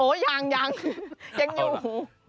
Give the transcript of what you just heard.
โอ้ยยังยังอยู่